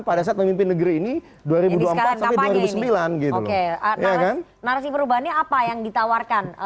pada saat memimpin negeri ini dua ribu empat dua ribu sembilan gitu oke narasi perubahannya apa yang ditawarkan